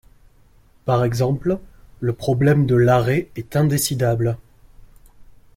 Par exemple, le problème de l'arrêt est indécidable.